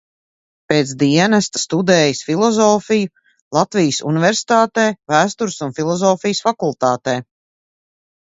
Pēc dienesta studējis filozofiju Latvijas Universitātē, Vēstures un filozofijas fakultātē.